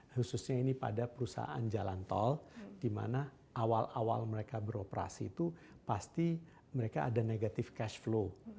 khususnya ini pada perusahaan jalan tol di mana awal awal mereka beroperasi itu pasti mereka ada negative cash flow